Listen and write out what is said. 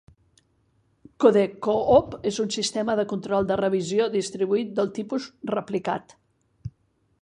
Code Co-op és un sistema de control de revisió distribuït del tipus replicat.